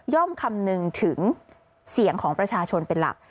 คำนึงถึงเสียงของประชาชนเป็นหลัก